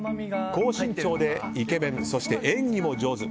高身長でイケメンそして演技も上手。